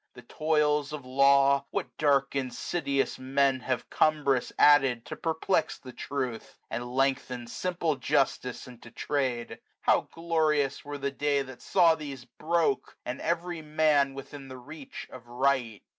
The toils of law, (what dark infidious Men Have cumbrous added to perplex the truth, 385 And lengthen simple justice into trade) How glorious were the day ! that saw these broke. And every Man within the reach of right.